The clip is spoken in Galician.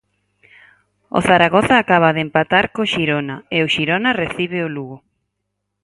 O Zaragoza acaba de empatar co Xirona e o Xirona recibe o Lugo.